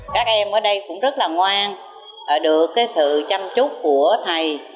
các em ở đây cũng rất là ngoan được sự chăm chúc của thầy